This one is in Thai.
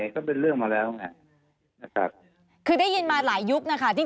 สนุนโดยน้ำดื่มสิง